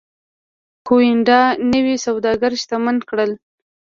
کومېنډا نوي سوداګر شتمن کړل